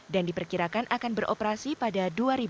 dan diperkirakan akan beroperasi pada dua ribu dua puluh